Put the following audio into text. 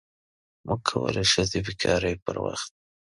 موږ کولی شو چې د بیکارۍ پر وخت